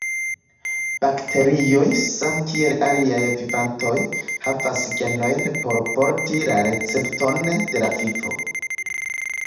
Bakterioj, same kiel aliaj vivantoj, havas genojn por porti la recepton de la vivo.